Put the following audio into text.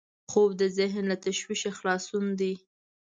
خوب د ذهن له تشویشه خلاصون دی